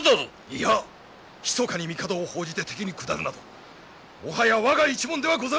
いやひそかに帝を奉じて敵に下るなどもはや我が一門ではござらん！